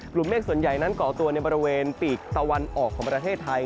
กลุ่มเมฆส่วนใหญ่นั้นก่อตัวในบริเวณปีกตะวันออกของประเทศไทย